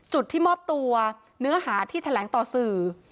จุดที่มอบตัวเนื้อหาที่แถลงต่อสื่อ